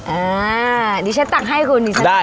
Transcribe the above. อ่านี่ฉันตักให้คุณนี่ฉันตักให้